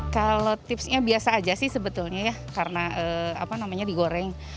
kalau tipsnya biasa aja sih sebetulnya ya karena digoreng